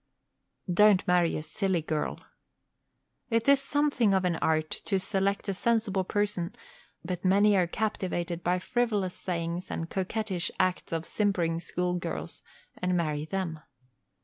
Don't marry a silly girl. It's something of an art to select a sensible person, but many are captivated by frivolous sayings and coquettish acts of simpering school girls and marry them.